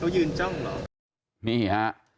เขาดื่มใช่ไหม